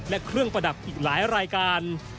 และเครื่องประดับอีกหลายรายการ